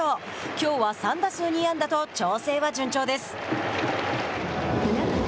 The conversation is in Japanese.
きょうは３打数２安打と調整は順調です。